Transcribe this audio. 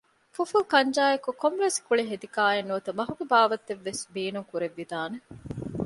ފުފުލު ކަންޖާއެކު ކޮންމެވެސް ކުޅި ހެދިކާއެއް ނުވަތަ މަހުގެ ބާވަތެއްވެސް ބޭނުން ކުރެއްވި ދާނެ